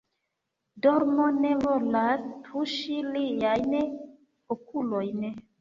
Dormo ne volas tuŝi liajn okulojn.